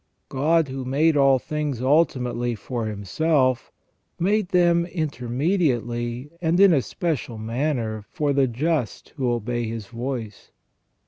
God, who made all things ultimately for Himself, made them intermediately and in a special manner for the just who obey His voice.